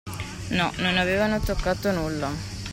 No, non avevano toccato nulla.